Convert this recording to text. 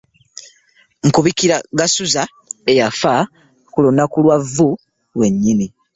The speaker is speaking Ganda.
Nkubikira Gasuza eyafa ku lunaku lwa Vvu lwennyini.